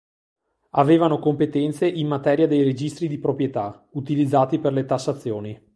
Avevano competenze in materia dei registri di proprietà, utilizzati per le tassazioni.